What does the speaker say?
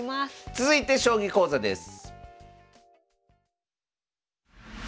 続いて将棋講座です。